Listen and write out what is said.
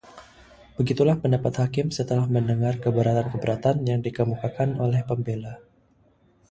begitulah pendapat hakim setelah mendengar keberatan-keberatan yang dikemukakan oleh pembela